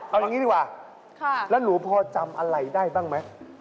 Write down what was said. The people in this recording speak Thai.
เอาอย่างนี้ดีกว่าแล้วหนูพอจำอะไรได้บ้างไหม